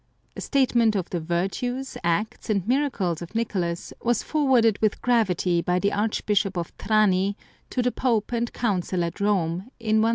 A statement of the virtues, acts, and miracles of Nicolas was forwarded with gravity by the Arch bishop of Trani to the Pope and Council at Rome in 1099.